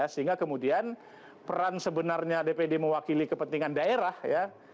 sehingga kemudian peran sebenarnya dpd mewakili kepentingan daerah ya